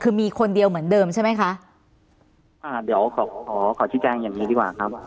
คือมีคนเดียวเหมือนเดิมใช่ไหมคะอ่าเดี๋ยวขอขอชิดแจ้งอย่างนี้ดีกว่าครับ